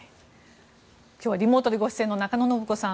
今日はリモートでご出演の中野信子さん